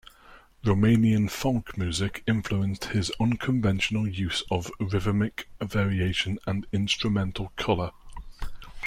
Romanian folk music influenced his unconventional use of rhythmic variation and instrumental colour.